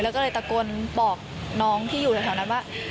แล้วก็เลยตะโกนบอกน้องที่อยู่แถวนั้นว่า